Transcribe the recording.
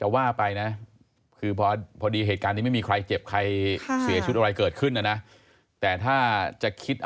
ว่าไปนะคือพอดีเหตุการณ์นี้ไม่มีใครเจ็บใครเสียชีวิตอะไรเกิดขึ้นนะนะแต่ถ้าจะคิด